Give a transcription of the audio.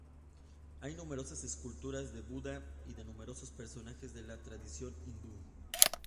Hay numerosas esculturas de Buda, y de numerosos personajes de la tradición hindú.